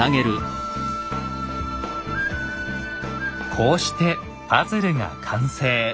こうしてパズルが完成。